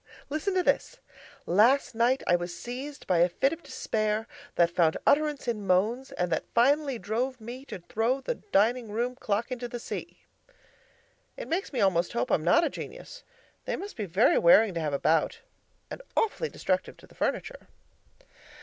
Listen to this: 'Last night I was seized by a fit of despair that found utterance in moans, and that finally drove me to throw the dining room clock into the sea.' It makes me almost hope I'm not a genius; they must be very wearing to have about and awfully destructive to the furniture.